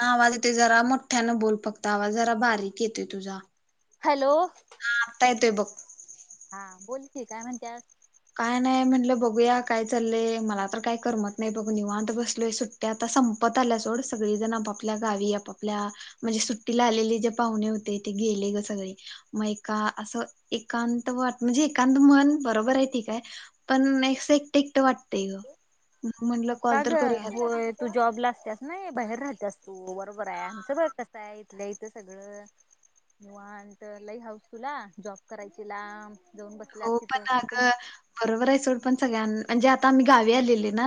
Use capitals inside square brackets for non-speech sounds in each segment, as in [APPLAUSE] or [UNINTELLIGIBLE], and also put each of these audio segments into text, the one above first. हा वाजे तेज. जरा मोठ्यानं बोल फक्त आवा जरा बारीक येतोय तुझा. हॅलो! हो! हा बोलकी काय म्हणत्या. काय नाही म्हनंलं बघूया काय चालंय, मला तर काय करमत नाही बघू निवांत बसलोय सुट्ट्या आता संपत आल्या सोड सगळीजण आपापल्या गावी आपापल्या म्हणजे सुट्टीला आलेले जे पाहुणे होते ते गेले ग, सगळे मग एका असं एकांत वाट म्हणजे एकांत मन बरोबर आहे ती. पण नेस एकट, एकटं वाटतय ग. म्हणलं कॉल का ग तर करूया होय तू जॉब ला असते अस. नाही बाहेर राहत्यास तू बरोबर आहे, आमचं बर असत्यय इथल्या इथ सगळ निवांत, लई हाऊस तुला जॉब करायची लाब. हो पण अगं बरोबर आहे सोड पण सगळ्यां म्हणजे आता आम्ही गावी आलेली ना.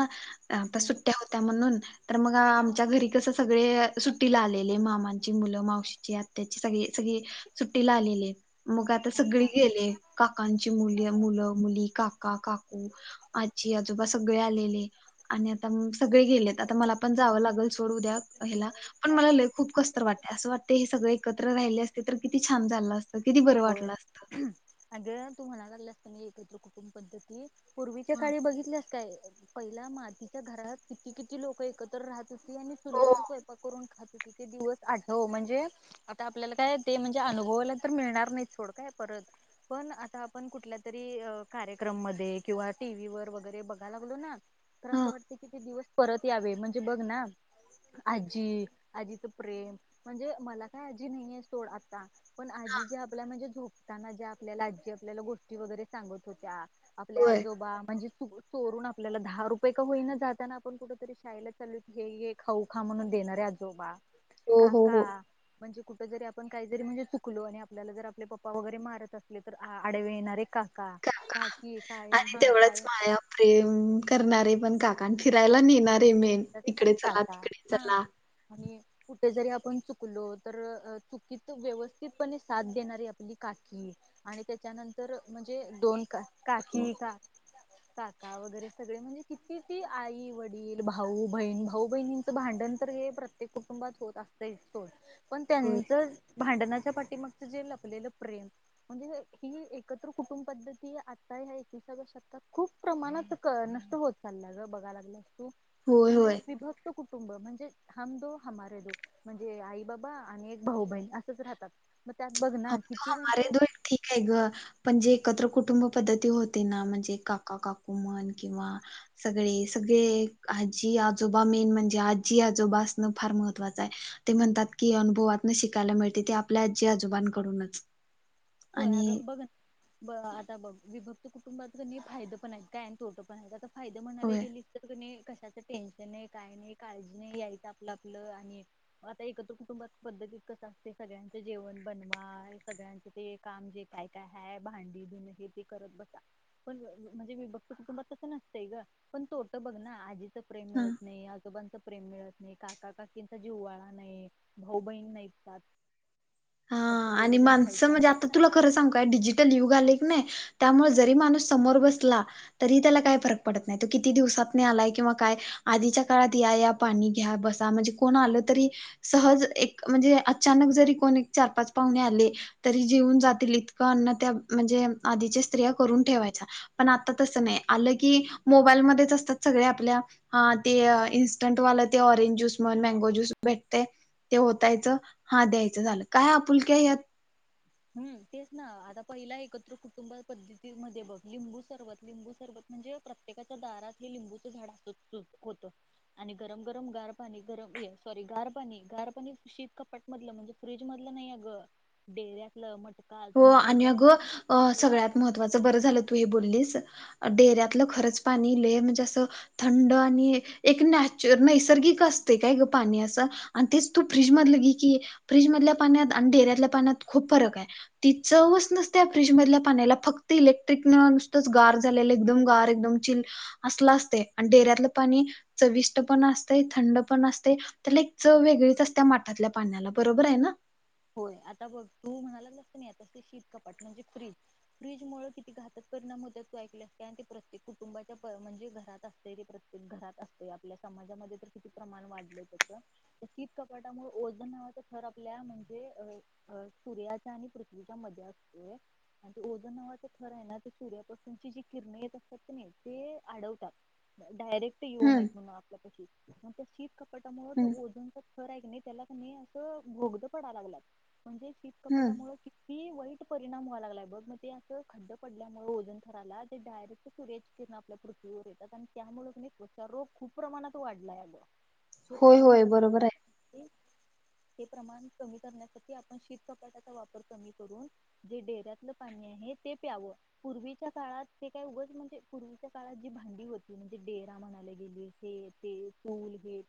त्या आमता कुटुंब सुट्ट्या होत्या म्हणून. मग आमच्या घरी कस सगळे अ सुट्टीला आलेले, मामांची मुलं मावशीची, आत्याची, सगळे, सगळी सुट्टीला आलेली. मग आता सगळे गेले का? त्यांचे मुल्या, मूल, मुली काका, काकू, आजी, आजोबा सगळे आलेले आणि आता सगळे गेले आता मला पण जाव लागेल सोड उद्या ह्याला पण मला लय खूप कस्तर वाटत असं वाटत हे सगळे एकत्र राहिले असते तर किती छान झालं अस किती बरं वाटलं असत. म्हणाय लागलं असताना एकत्र कुंटुब पद्धतीत. पूर्वीच्या हा काळी बघितलस काय. पहिला मातीच्या घरात किती, किती, लोक एकत्र राहत. ती आणि हो चुलीवर स्वयपाक करून खात. ते दिवस आठव म्हणजे आता आपल्याला काय ते म्हणजे अनुभवायाला तर मिळणार नाही थोडय परत पण आता आपण, कुठल्या तरी कार्यक्रम मधे किंवा टीव्ही वर वगैरे बघायला बोलुना. तर हा असं वाटत कि ते दिवस. परत यावे म्हणजे बघ ना आजी, आजीच प्रेम, म्हणजे मला काय आजी नाही, आहे सोड आता. पण आजी ज्या झोपताना ज्या आपल्याला, आजी आपल्याला गोष्टी वगैरे सांगत होत्या. आपले होय. आजोबा म्हणजे. चोरून आपल्याला दहा रुपये का होईना, जाताना आपण कुठ तरी शाळेला चलो की ऐ ऐ खाऊ खा म्हणून देणारे आजोबा. हो, हो, काका हो. म्हणजे कु जरी आपण काही जरी म्हजे चुकलो आणि आप आपल्याला जर आपले पप्पा वगैरे, मारत असले तर आडवे येणारे का काका आणि तेवढंच माया, प्रेम करणारे पण का फिरायला नेणार. मेन तरी इकडे पण चला, काटा तिकडे हा चला. आणि कुठे जरी आपण चुकलो तर चुकीत व्यवस्थितपणे साथ देणारी आपली काकी आणि त्याच्यानंतर म्हणजे दोन का हो. काकी का काका वगैरे सगळे म्हणजे किती ती आई वडील भाऊ-बहीण भाऊ बहिणीचं भांडण तर हे प्रत्येक कुटुंबात होत असतयच सोड पण होय, त्यांचं भांडणाच्या पाठीमागच जे लपलेलं प्रेम म्हणजे ही एकत्र कुटुंब पद्धती आता ह्या एकविसाव्या शतकात खूप प्रमाणात नष्ट होत चालल्या ग बघायला लागल्यास तु होय, म्हणजे होय. विभक्त कुटुंब म्हणजे हम दो हमारे दो म्हणजे आई बाबा आणि एक भाऊ बहिण असंच राहतात मग त्यात बघ हम ना तो किती हमारे म्हणजे दो एक ठीक आहे ग पणजे एकत्र कुटुंब पद्धती होती ना म्हणजे काका काकू म्हण किंवा सगळे सगळे आजी आजोबा मेन म्हणजे आजी आजोबा फार महत्वाचं आहे ते म्हणतात की अनुभवात शिकायला मिळते ते आपल्या आजी आजोबा न क कडूनच होय अग बघ ना ब आता बघ विभक्त कुटुंबात कधी फायद पण आहेत. काय अन तोटं पण आहेत. आता फायदा म्हणायला होय. गेली तर कणी कशाचं टेन्शन नाही काय नाही काळजी नाही यायचं आपलं आपलं आणि आता एकत्र कुटुंबात पद्धतीत कस असते सगळ्यांचं जेवण बनवा सगळ्यांचं ते काम जे काय काय हाय भांडी धुन हे ते करत बसा पण म्हणजे विभक्त कुटुंबात तसं नसतंय ग पण तोटं बघ ना आजी प्रेम हा. मिळत नाही आजोबांच प्रेम मिळत नाही. काका काकींचा जीव्हाळा नाही. भाऊ बहीण नाहीत. हा फक्त दोघ आणि जण माणसं राहायचं म्हजे आ तुला खरं सांगु काय डिजिटल युग आलंय कणी त्यामुळे जरी माणूस समोर बसला तरी त्याला काय फरक पडत नाही तो किती दिवसातन आलाय किंवा काय आधीच्या काळात या या पाणी घ्या बसा म्हणजे कोण आलं तरी सहज एक म्हणजे अचानक जरी कोणी चार पाच पाहुणे आले तरी जेवून जातील इतकं अन्न त्या म्हणजे आधीचे स्त्रिया करून ठेवायच्या पण आता तस नाही आल की मोबाईल मध्येच असतात सगळे आपल्या हा ते इन्स्टंट वाल ते ऑरेंज ज्यूस म्हण मँगो ज्यूस भेटते ते ओतायच हा द्यायच झाल. काय आपुलकी आहे यात. हम्म तेच ना आता पहिला एकत्र कुटुंब पद्धतीमध्ये बघ लिंबू सरबत लिंबू सरबत म्हणजे प्रत्येकाच्या दारात हे लिंबूचं झाड असत होत आणि गरम गरम गार पाणी गरम सॉरी गार पाणी गार पाणी शीत कपाट मधल म्हणजे फ्रीज मधल नाही अग डेर्या ल मट हो आणि अग सगळ्यात महत्वाच बर झाल तू हे बोललीस डेऱ्यातलं खरंच पाणी लई म्हणजे अस थंड आणि एक नॅचर नैसर्गिक असते काय ग पाणी असं आणि तेच तू फ्रीजमधलं घ की फ्रीजमधल्या पाण्यात आणि डेऱ्यातल्या पाण्यात खूप फरक आहे. ती चवच नसते फ्रीज मधल्या पाण्याला फक्त इलेक्ट्रिक नुसतंच गार झालेलं एकदम गार एकदम चिल असला असते. आणि डेऱ्यातलं पाणी चविष्ट पण असते थंड पण असते. त्याला एक चव वेगळीच असते माठातल्या पाण्याला बरोबर आहे ना. होय आता बघ तू म्हणाला लागलास की नाही आता ते शीत कपाट म्हणजे फ्रीज फ्रीज मुळ किती घातक परिणाम होत तू ऐकले असते ते प्रत्येक कुटुंबाच्या म्हणजे घरात असत ते प्रत्येक घरात असतय आपल्या समाजामध्ये तर किती प्रमाण वाढलं त्याच शीत कपाटामुळे ओझन नावाचं थर आपल्या अ अ सूर्याच्या आणि पृथ्वीच्या मध्ये असतोय आणि ओझोन नावाचा थर आहे ना ते सूर्यापासूनची जी किरण येत असतात कि नाही ते आडवतात. डायरेक्ट येऊ हम्म नयेत म्हणून आपल्यापशी आणि त्या शीत कप त्यामुळे तो हम्म ओझनचा थर आहे कणी त्याला की नाही अस बोगद पडायला लागल्यात म्हणजे हम्म शितकपटामुळे की हि वाईट परिणाम व्हायला लागलाय बघ मग ते असं खड्डं पडल्यामुळे ओजन थराला ते डायरेक्ट सूर्याची किरण आपल्या पृथ्वीवर येतात आणि त्यामुळ कि नाही त्वचा रोग खूप प्रमाणात वाढलाय अग हे होय प्रमाण होय कमी बरोबर आहे. ते प्रमाण करण्यासाठी आपण शीत कपाटाचा वापर कमी करून जे डेऱ्यातलं पाणी आहे ते प्यावं पूर्वीच्या काळात ते काय उग म्हणजे पूर्वीच्या काळात जी भांडी होती म्हणजे डेरा म्हणायला गेली हे ते पूल हे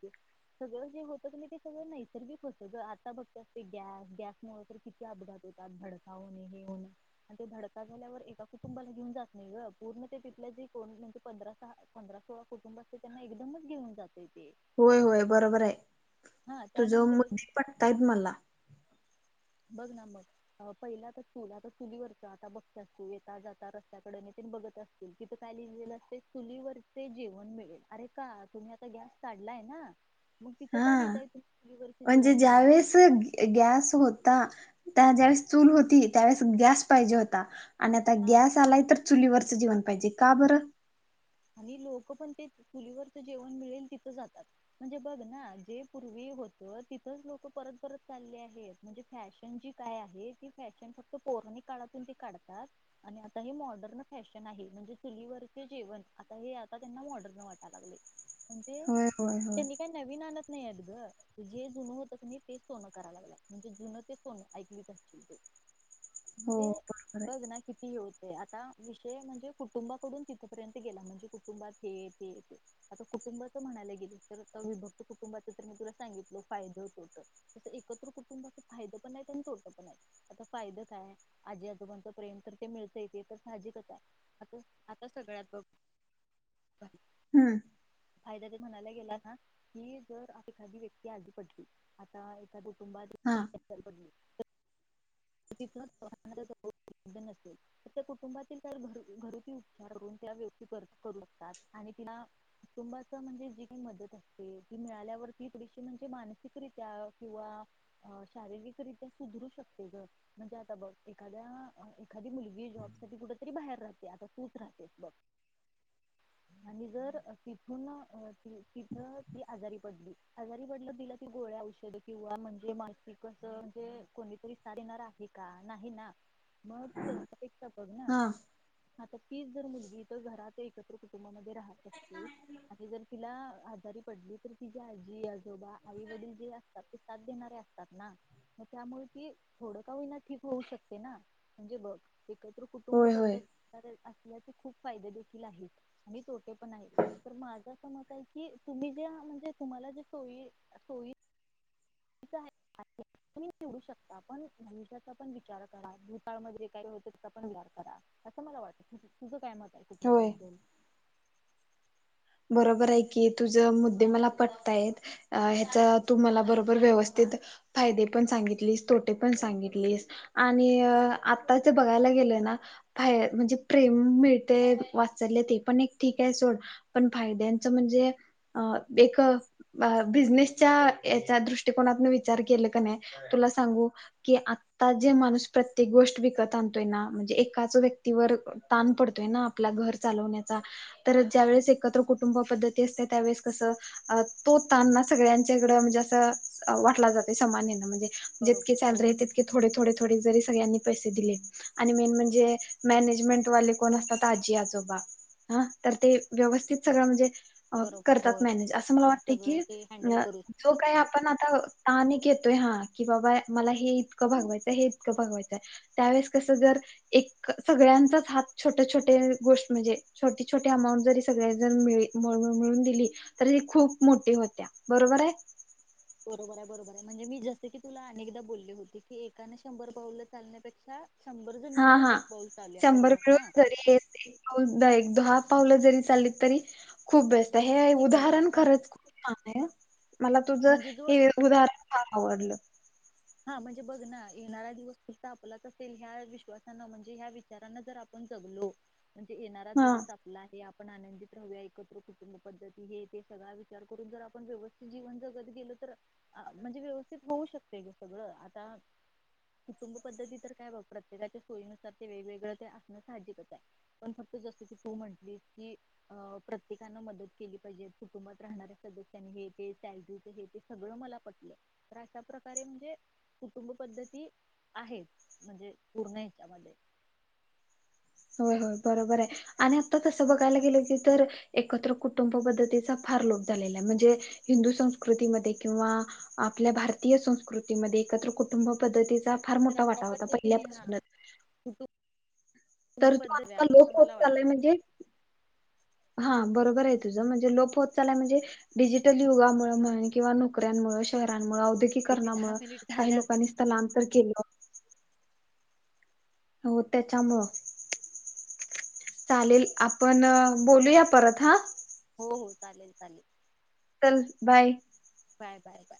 सगळं जे होत ते सगळं नैसर्गिक होत ग आता बघ गॅस गॅसमुळे तर किती अपघात होतात धडका होणे हे होणे आणि ते धडका झाल्यावर एका कुटुंबाला घेऊन जात नाही ग पूर्ण ते तिथल्या जे म्हणजे पंधरा सहा पंधरा सोळा कुटुंब असते त्यांना एकदमच घेऊन जात होय होय बरोबर आहे हा तुझ त्यानंतर मुद्द पटतायेत मला. बघ ना मग पहिला तर चूल आता चुलीवरच आता बघता तु येता जाता रस्त्याकडे येताना बघत असशील तीथ काय लिहिलेलं असतं चुलीवरचे जेवण मिळेल. अरे का तुम्ही आता गॅस काढलाय ना. मग तिथं हा काय लिहिताय तुम्ही चुलीवरचे म्हणजे जेवण मिळेल ज्यावेेळेस गॅस होत त्या ज्यावेळेस चूल होती त्यावेळेस गॅस पाहिजे होता. आणि आता हा गॅस आलाय तर चुलीवरचं जेवण पाहिजे का बरं आणि लोक पण ते चुलीवरच जेवण मिळेल तिथं जातात म्हणजे बघ ना जे पूर्वी होत तिथंच लोक परत परत चालले आहेत म्हणजे फॅशन जी काय आहे ती फॅशन फक्त पौराणीिक काळातून ते काढतात आणि आता हे मॉडर्न फॅशन आहे म्हणजे चुलीवरचे जेवण आता हे आता त्यांना मॉडरन वाटा लागलय. होय होय होय. नाही अगं जे जुनं होतच नाही ते सोनं कराय लागला म्हणजे जुनं ते सोन ऐकली पाहिज हो म्हणजे बरोबर आहे लगना किती होत ते आता विषय म्हणजे कुटुंबाकडून तिथपर्यंत म्हणजे कुटुंात हे आता कुटुंबाच म्हणायला गे तर विभक्त कुटुंबाच तर मी तुला सांगितल फायद तोट एकत्र कुटुंबा फाय पण नाही आणि तोटं पण आहे आता फायद काय आजी आजोबणच प्रेम तर ते मिळत येते तर साजिकच आहे आता सगळ्यात ह हम्म फायदा ते म्हणाला गेला ना की जर एखादी व्यक्ती आधी पडली आता ए तु हा पब् नसेल तर त्या कुटुंबातील घरती उपचारून त्या व्यक्ती करू शकतात आणि तिला कुटुंबाचा म्हणजे जी काही मदत असते ती मिळाल्यावरती थशी म्हणजे मानसिकरित्या किंवा शारीरिकरित्या सुधरू शकत म्हणजे आता बस एखाद्या एखादी मुलगी जॉब साठी कुठ तरी बाहेर राहते आता तूच राहते बस आणि जर तिथून तिथ ती आजारी पडली आजारी पडलं तिला ती गोळ्या औषध किंवा म्हणजे मानसिक म्हणजे कोणी सारणार आहे का नाही ना महचपेता बघ ना हा आता तीच जर मुलगी तर घरात एकत्र कुटुंबामध्ये राहत असते आ जर तिला आजारी पडली तर तिझ आजी आजोबा आई वडील जे असतात ते साथ देणारे असतात ना म त्यामुळे कि थोडं का होना ठीक होऊ शकते ना म्हणजे बघ कात कुटुंब होय होय पद्धत असल्याचे खूप फायदे देखील आहेत आणि तोटे पण आहेत तर माझ अस मत आहे की तुम्ही जे म्हणजे तुम्हाला जे सोयी सोयी तु निवडू शकता पण भनुष्याचा पण विचार करा भूताळमध्येध्येे काय होते त्याचा पण विचार करा असं मला वाटतं तुझ काय मत तर होय. कुटंबाबद्दल बरोबर आहे कि तुझ मुद्दे मला पटतायेत ह्याचा तू मला बरोबर व्यवस्थित फायदे पण सांगितलीस तोटे पण सांगितलीस आणि आता ते बघायला गेलं ना फाय म्हणजे प्रेम मिळते वाचलले ते पण एक ठीक आहे सोड पण फादच म्हणजे एक बिजनेसच्या याच्या दृष्टकोनातन विचार केला का नाही तुला सांगू की आता जे माणूस प्रत्येक गोष्ट विकत आणतोय ना म्हणजे एकाच व्यक्तीवर ताण पडतोय ना आपला घर चालवण्याचा तर ज्या वेळेस एकत्र कुटुंब पद्धती असते त्यावेळेस कसं तोताना सगळ्यांच्याकड म्हणजे असं वाटला जाते सामान म्हणजे जितके बरोबर होय ले तितक थोडे थोडे थोडे जरी ण म तिथर म्हणजे बरोबर करतात होय मॅनेज असं मला हा वाटत सगळं की ते हँडल करू जो शकतात काही हा आपण आता ताने घेतोय हा की बाबा मला हे इतकं बगवायचंय हे इतकं बगवायचंय त्यावेेळेस कसं जर एक सगळ्यांचाच हात छोट छोट गोष्ट म्हणजे छोटी छोटी अमाऊंट जरी स मिळून दिली तर खूप मोठी होत्या बरोबर आहे बरोबर आहे बरोबर आहे म्हणजे मी जसं की तुला अनेकदा बोलली होती की एकानें शंभर पाऊलं चालण्यापेक्षा शंभर जण हा मिळून हा एक पाऊल चालूया शंभर बरोबर मिळून ना जरी [UNINTELLIGIBLE] एक दहा पावलं जरी चाललीत तरी खूप बेस्ट हे ठीक आहे ग उदाहरण हा खरच खूप छान आहे मला तुझ म्हणजे जो हे उदाहरण फार आवडलं. हा म्हणजे बघ ना येणारा दिवस फुत आपलाच असेल ह्या विश्वासान म्हणजे ह्या विचारांना जर आपण जगलो म्हणजे येणारा हा दिवस आपला आहे आपण आनंदित राहूया एकत्र कुटुंब पद्धती हे ते सगळा विचार करून जर आपण व्यवस्थित जीवन जगत गेलो तर म्हणजे व्यवस्थित होऊ शकते ग सगळ आता कुटुंब पद्धती तर काय ब प्रत्येकाच्या सोयीनुसार ते वेगवेगळं ते असणं साहजिकच आहे पण फक्त जसं की तू म्हटली की अ प्रत्येकानना मदत केली पाहिजे कुटुंबात राहणाऱ्या सदस्यांनी हे ते सॅलरीच हे ते सगळं मला पटलं तर अशा प्रकारे म्हणजे कुटुंब पद्धती आहेत म्हणजे पूर्ण हच्यामध्ये होय होय बरोबर आहे आणि आता तसं बघायला गेलं की तर एकत्र कुटुंब पद्धतीचा फार लोप झालेला म्हणजे हिंदू संस्कृतीमध्ये किंवा आपल्या भारतीय संस्कृतीमध्ये एकत्र कुटुंब पद्धती चा फार तर मोठा अशा वाटा होता पद्धतीने हा पहिल्यापासूनच कुटुंब तर तू आता लोप पद्धत होत मला वाटत चालल म्हणजे हा बरोबर आहे तुझं म्हणजे लोप होत चालेल आहे म्हणजे डिजिटल युगामुळे म्हणजे किंवा नोकऱ्या मुळे शहरमुळे इथे दहा मुळे मिनिट काही झाल्यात लोकांनी स्थलांतर केलं हो त्याच्यामुळ चालेल आपण बोलूया परत हा हो हो चालेल चालेल चल बाय. Bye bye bye.